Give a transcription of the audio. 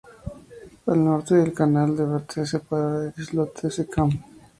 Al norte el canal de Bate la separa del islote de Secam.